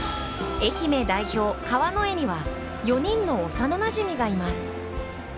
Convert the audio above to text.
愛媛代表・川之江には４人の幼なじみがいます。